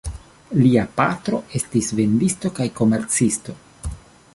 Lia patro estis vendisto kaj komercisto.